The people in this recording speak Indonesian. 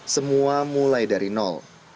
semua mulai dari nol